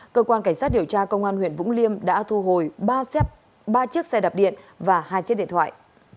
cơ quan cảnh sát điều tra công an huyện vũng liêm đã thu hồi ba chiếc xe đạp điện và hai chiếc điện thoại